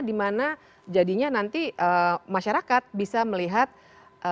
dimana jadinya nanti masyarakat bisa melihat